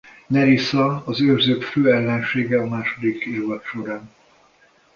Nerissa az Őrzők fő ellensége a második évad során.